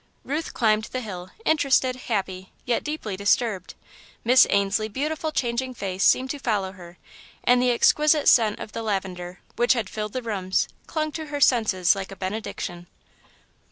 Ruth climbed the hill, interested, happy, yet deeply disturbed. Miss Ainslie's beautiful, changing face seemed to follow her, and the exquisite scent of the lavender, which had filled the rooms, clung to her senses like a benediction.